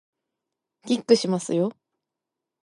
キックしますよ